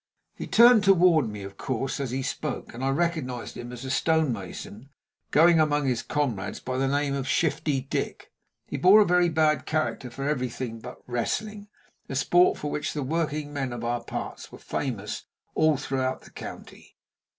He turned toward me, of course, as he spoke, and I recognized him as a stone mason, going among his comrades by the name of Shifty Dick. He bore a very bad character for everything but wrestling, a sport for which the working men of our parts were famous all through the county.